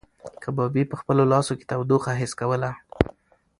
کبابي په خپلو لاسو کې تودوخه حس کوله.